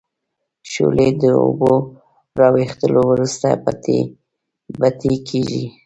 شولې د اوبو را وېستلو وروسته بټۍ کیږي.